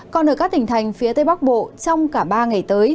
còn ở các tỉnh thành phía tây bắc bộ trong cả ba ngày tới